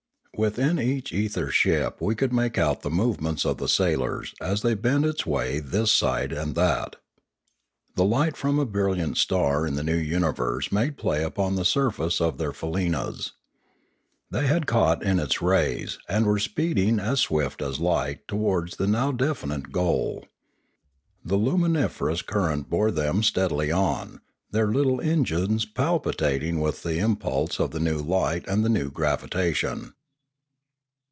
Within each ether ship we could make out the movements of the sailors as they bent its way this side and that. The light from a brilliant star in the new universe made play upon the surface of their fa leenas. They had caught in its rays, and were speed ing as swift as light towards the now definite goal. The luminiferous current bore them steadily on, their little engines palpitating with the impulse of the new light and the new gravitation.